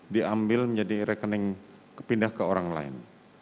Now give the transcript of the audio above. diambil menjadi rekening pindah ke orang lain